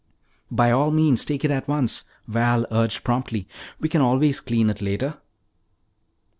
"By all means, take it at once!" Val urged promptly. "We can always clean it later."